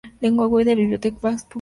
Web de Bibliotecas Públicas de Asturias